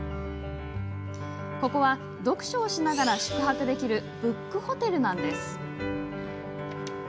ここは読書をしながら宿泊できるブックホテルなんです。